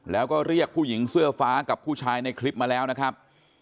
แล้วก็เรียกผู้หญิงเสื้อฟ้ากับผู้ชายในคลิปมาแล้วนะครับ